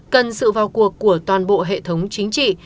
cần sự vào cuộc của toàn bộ hệ thống chính trị